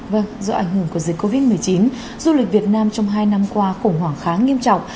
vâng do ảnh hưởng của dịch covid một mươi chín du lịch việt nam trong hai năm qua khủng hoảng khá nghiêm trọng